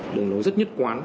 đồng nối rất nhất quán